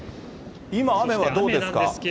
今、雨はどうですか？